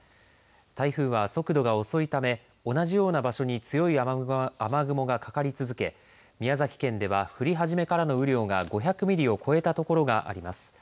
台風は速度が遅いため同じような場所に強い雨雲がかかり続け、宮崎県では降り始めからの雨量が５００ミリを超えたところがあります。